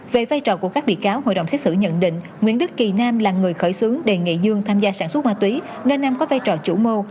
về vai trò của các bị cáo hội đồng xét xử nhận định nguyễn đức kỳ nam là người khởi xướng đề nghị dương tham gia sản xuất ma túy nên nam có vai trò chủ mưu